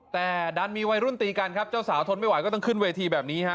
แต่ดันมีวัยรุ่นตีกันครับเจ้าสาวทนไม่ไหวก็ต้องขึ้นเวทีแบบนี้ฮะ